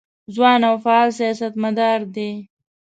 ځوان او فعال سیاستمدار دی.